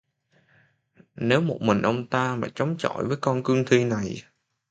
Nếu một mình ông ta mà chống chọi với con cương thi này